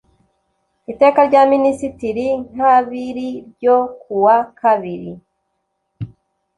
iteka rya minisitiri n kabiri ryo kuwa kabiri